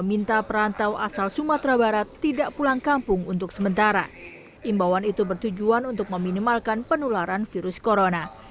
imbauan itu bertujuan untuk meminimalkan penularan virus corona